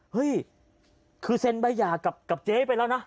เฮ้ยคือเซ็นใบหย่ากับเจ๊ไปแล้วนะ